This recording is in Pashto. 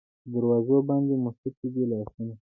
دروازو باندې موښتي دی لاسونه